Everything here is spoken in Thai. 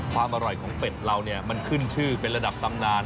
ความอร่อยของเป็ดเราเนี่ยมันขึ้นชื่อเป็นระดับตำนาน